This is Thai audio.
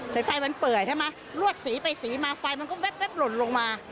ไฟมันเปื่อยใช่ไหมลวดสีไปสีมาไฟมันก็แป๊บหล่นลงมา